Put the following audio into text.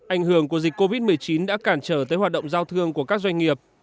ảnh hưởng của dịch covid một mươi chín đã cản trở tới hoạt động giao thương của các doanh nghiệp